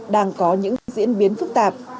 đang có những diễn biến phức tạp